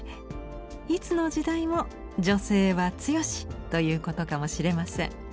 いつの時代も「女性は強し」ということかもしれません。